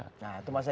nah itu mas eko